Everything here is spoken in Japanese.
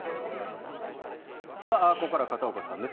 ここからは片岡さんです